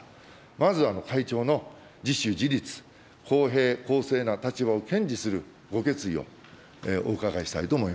まず会長の自主、自立、公平、公正な立場を堅持するご決意をお伺いしたいと思います。